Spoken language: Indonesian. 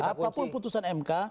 apapun putusan mk